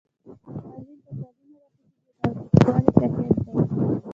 الخلیل د کلونو راهیسې د تاوتریخوالي شاهد دی.